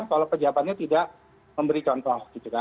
kalau pejabatnya tidak memberi contoh gitu kan